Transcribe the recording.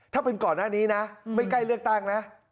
ถ้าเป็นก่อนหน้านี้นะไม่ใกล้เลือกตั้งนะ